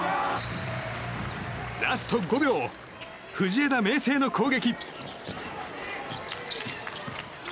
ラスト５秒、藤枝明誠の攻撃。